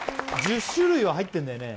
１０種類は入ってんだよね